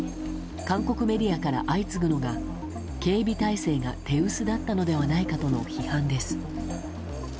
韓国メディアから相次ぐのが警備態勢が手薄だったのではないかとの批判です。